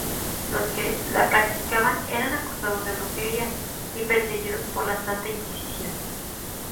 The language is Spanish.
Los que la practicaban eran acusados de brujería y perseguidos por la Santa Inquisición.